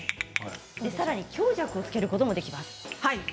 強弱をつけることもできます。